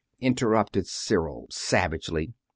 interrupted Cyril, savagely.